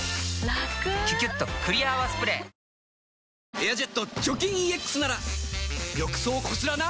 「エアジェット除菌ＥＸ」なら浴槽こすらな。